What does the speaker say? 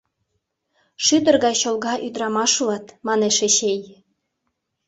«Шӱдыр гай чолга ӱдырамаш улат», — манеш Эчей.